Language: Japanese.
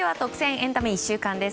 エンタメ１週間です。